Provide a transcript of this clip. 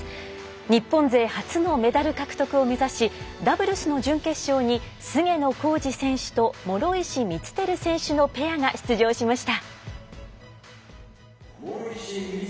日本勢初のメダル獲得を目指しダブルスの準決勝に菅野浩二選手と諸石光照選手のペアが出場しました。